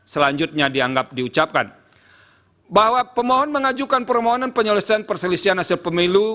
selanjutnya dianggap diucapkan bahwa pemohon mengajukan permohonan penyelesaian perselisihan hasil pemilu